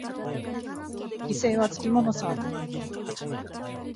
犠牲はつきものさ。